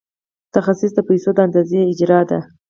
تخصیص د پیسو د اندازې اجرا ده.